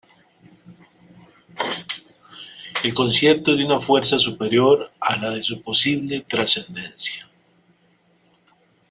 El concierto es de una fuerza superior a la de su posible trascendencia.